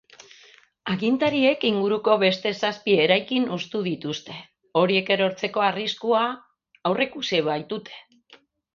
Agintariek inguruko beste zazpi eraikin hustu dituzte, horiek erortzeko arriskua aurreikusi baitute.